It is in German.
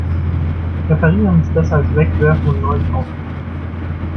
Reparieren ist besser als wegwerfen und neu kaufen.